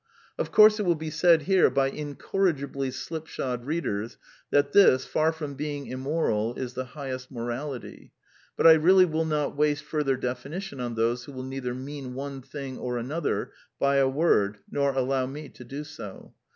Of i 192 The Quintessence of Ibsenism course it will be said here by incorrigibly slipshod readers that this, far from being immoral, is the highest morality; but I really will not waste further definition on tho9e who will neither mean one thing or another by a word nor allow me to do so.